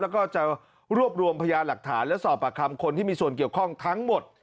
แล้วก็จะรวบรวมพยานหลักฐานและสอบปากคำคนที่มีส่วนเกี่ยวข้องทั้งหมด